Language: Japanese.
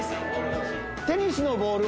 テニスのボール。